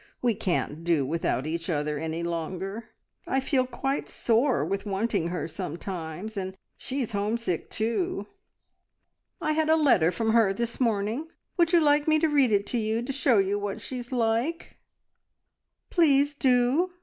We can't do without each other any longer. I feel quite sore with wanting her sometimes, and she is home sick too. I had a letter from her this morning. Would you like me to read it to you to show you what she is like?" "Please do!"